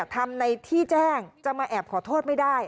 ทำในที่แจ้งจะมาแอบขอโทษไม่ได้